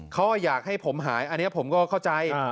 เขาอยากให้ผมหายอันนี้ผมก็เข้าใจ